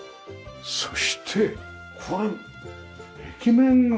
そしてこれ壁面がこれ。